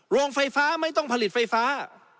โรงไฟฟ้าไม่ต้องผลิตไฟฟ้า